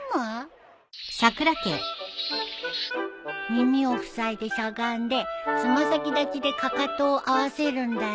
耳をふさいでしゃがんで爪先立ちでかかとを合わせるんだよ。